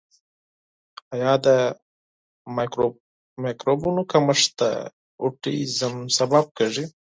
آیا د مایکروبونو کمښت د اوټیزم سبب کیږي؟